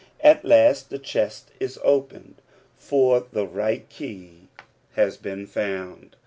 At last the chest is opened, for '^e right key has been found.